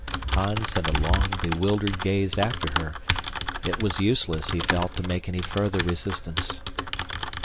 Hans sent a long, bewildered gaze after her; it was useless, he felt, to make any further resistance.